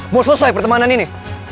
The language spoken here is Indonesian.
mau selesai pertemanan ini